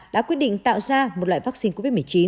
đã quyết định tạo ra một loại vắc xin covid một mươi chín